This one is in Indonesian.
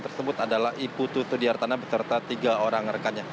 yang disebut adalah ibu putu sudiartan beserta tiga orang rekannya